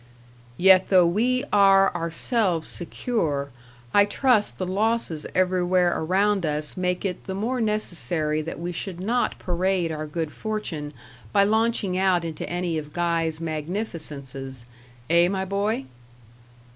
"Yet though we are ourselves secure, I trust the losses everywhere around us make it the more necessary that we should not parade our good fortune by launching out into any of Guy's magnificences eh, my boy?"